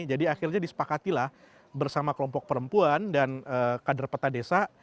jadi akhirnya disepakatilah bersama kelompok perempuan dan kader peta desa